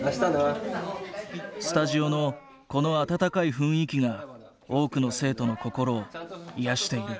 スタジオのこの温かい雰囲気が多くの生徒の心を癒やしている。